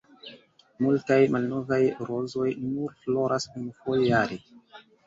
Multaj „malnovaj rozoj“ nur floras unufoje jare.